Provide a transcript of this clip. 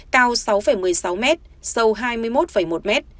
cao sáu một mươi sáu m sâu hai mươi một một m